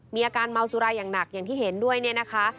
มีอาการเมาสุรายอย่างหนักอย่างที่เห็นด้วยเนี่ยนะคะ